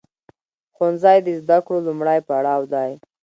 ښوونځی د زده کړو لومړی پړاو دی.